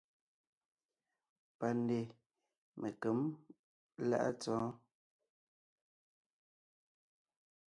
Pandè Menkěm láʼa Tsɔɔ́n.